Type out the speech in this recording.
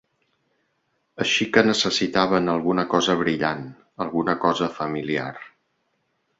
Així que necessitaven alguna cosa brillant, alguna cosa familiar.